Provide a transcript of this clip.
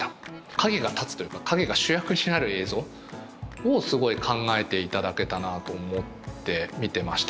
影が立つというか影が主役になる映像をすごい考えていただけたなと思って見てました。